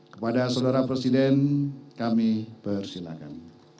kepada saudara presiden kami persilahkan